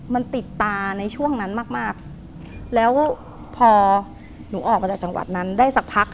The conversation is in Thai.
มันติดตาในช่วงนั้นมากมากแล้วพอหนูออกมาจากจังหวัดนั้นได้สักพัก